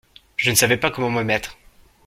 Je ne savais pas comment me mettre.